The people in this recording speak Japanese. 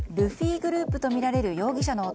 グループとみられる容疑者の男